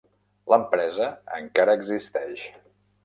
L'empresa encara existeix.